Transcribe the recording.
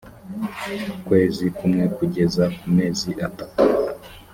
kwezi kumwe kugeza ku mezi atatu